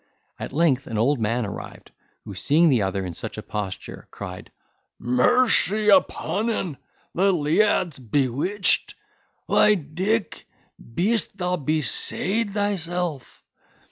At length an old man arrived, who, seeing the other in such a posture, cried, "Mercy upon en! the leaad's bewitched! why, Dick, beest thou besayd thyself!"